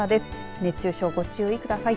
熱中症、ご注意ください。